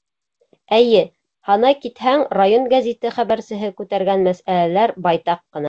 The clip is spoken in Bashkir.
Эйе, һанай китһәң, район гәзите хәбәрсеһе күтәргән мәсьәләләр байтаҡ ҡына.